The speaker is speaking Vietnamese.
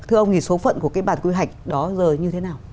thưa ông thì số phận của cái bản quy hoạch đó giờ như thế nào